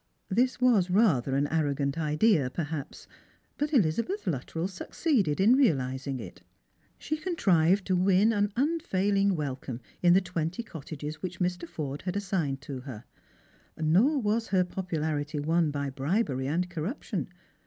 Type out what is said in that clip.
This was rather an arrogant idea, perhaps ; but Ehzabeth Luttrell succeeded in realising it. She contrived to win an unfaiUng welcome in the twenty cottages which Mr. Forde had assigned to her. Nor was her popularity won by bribery and corruption.